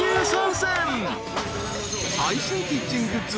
［最新キッチングッズ